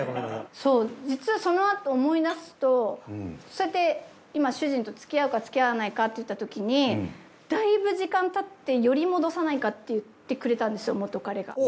そう実はそのあと思い出すとそうやって今主人とつきあうかつきあわないかっていったときにだいぶ時間経ってヨリ戻さないかって言ってくれたんですよ元カレが。